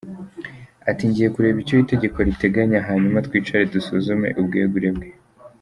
Ati “Ngiye kureba icyo itegeko riteganya hanyuma twicare dusuzume ubwegure bwe.